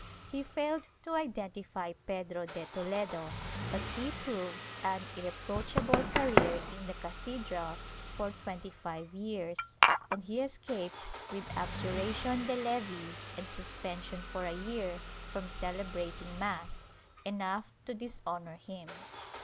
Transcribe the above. He failed to identify Pedro de Toledo, but he proved an irreproachable career in the cathe dral for twenty five years, and he escaped with abjuration de levi and suspension for a year from celebrating mass — enough to dishonor him.